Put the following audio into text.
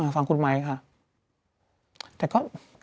ฟังคุณไมค์ค่ะแต่ก็